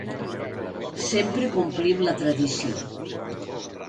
Sempre complim la tradició.